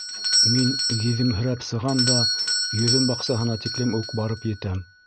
Мин гиҙемһерәп сығам да йөҙөм баҡсаһына тиклем үк барып етәм.